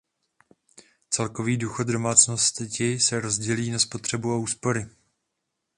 Celkový důchod domácnosti se rozdělí na spotřebu a úspory.